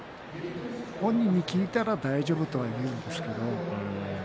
本人に聞いたら大丈夫とは言うんですけど。